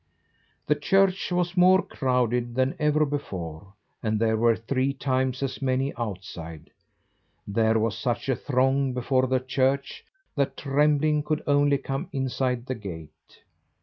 The church was more crowded than ever before, and there were three times as many outside. There was such a throng before the church that Trembling could only come inside the gate.